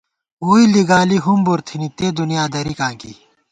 ووئی لِگالی ہُمبُر تھنی ، تے دُنیا دَرِکاں کی